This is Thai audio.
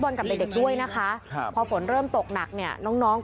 หลายคนหลายคนหลายคนหลายคน